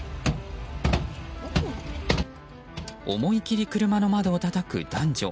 思い切り車の窓をたたく男女。